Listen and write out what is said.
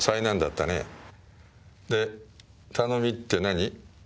で頼みって何？